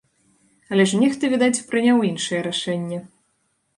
Але ж нехта, відаць, прыняў іншае рашэнне.